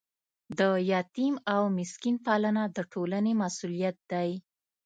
د یتیم او مسکین پالنه د ټولنې مسؤلیت دی.